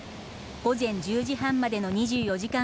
午前１０時半までの２４時間